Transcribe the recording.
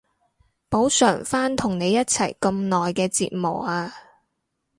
補償返同你一齊咁耐嘅折磨啊